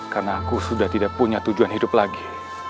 karena aku sudah tidak punya tujuan hidup lagi